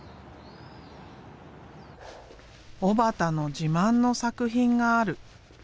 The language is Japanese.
小幡の自慢の作品がある。